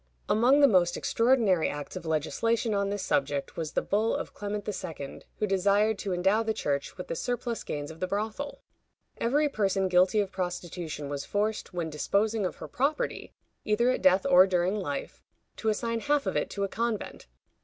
Among the most extraordinary acts of legislation on this subject was the bull of Clement II., who desired to endow the Church with the surplus gains of the brothel. Every person guilty of prostitution was forced, when disposing of her property, either at death or during life, to assign half of it to a convent.